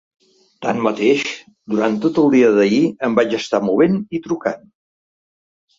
Tanmateix, durant tot el dia d’ahir em vaig estar movent i trucant.